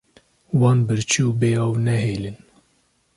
Wan birçî û bêav nehêlin.